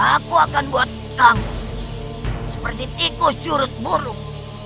aku akan buat kamu seperti tikus curut buruk